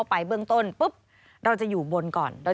สวัสดีค่ะสวัสดีค่ะ